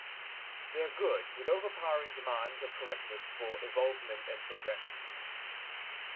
They are good, with overpowering demands of correctness for evolvement and progression.